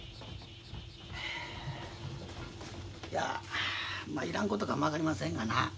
いやまあいらんことかも分かりませんがな